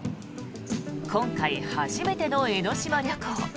今回初めての江の島旅行。